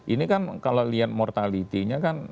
ini kan kalau lihat mortality nya kan